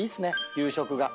夕食が。